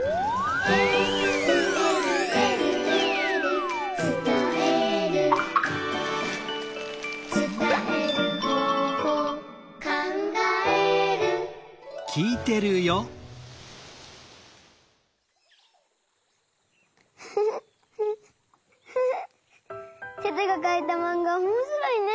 「えるえるえるえる」「つたえる」「つたえる方法」「かんがえる」テテがかいたマンガおもしろいね！